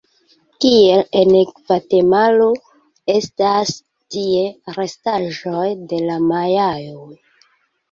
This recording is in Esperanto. Kiel en Gvatemalo estas tie restaĵoj de la Majaoj.